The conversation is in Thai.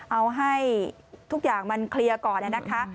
เอาให้ทุกอย่างมันเคลียร์ก่อนนะคะ